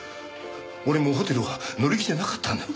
俺もホテルは乗り気じゃなかったんだよ。